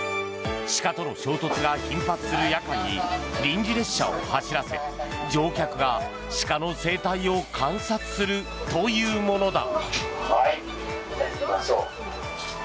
鹿との衝突が頻発する夜間に臨時列車を走らせ乗客が鹿の生態を観察するというものだ。